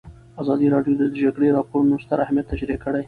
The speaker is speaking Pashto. ازادي راډیو د د جګړې راپورونه ستر اهميت تشریح کړی.